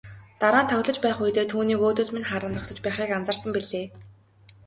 Дараа нь тоглож байх үедээ түүнийг өөдөөс минь харан зогсож байхыг анзаарсан билээ.